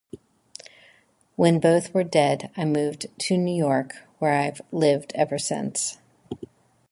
When both were dead, I moved to New York, where I've lived ever since.